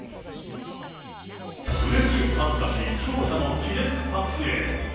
うれし恥ずかし勝者の記念撮影。